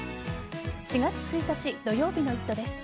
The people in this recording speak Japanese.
４月１日土曜日の「イット！」です。